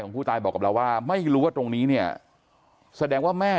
ผู้ตายบอกกับเราว่าไม่รู้ว่าตรงนี้เนี่ยแสดงว่าแม่